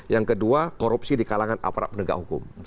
yang kedua korupsi di kalangan aparat penegak hukum